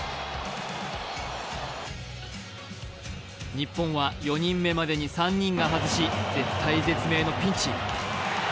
日本は４人目までに３人が外し、絶体絶命のピンチ。